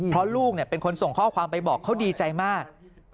เพราะลูกเป็นคนส่งข้อความไปบอกเขาดีใจมาก